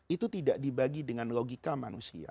itu tidak dibagi dengan logika manusia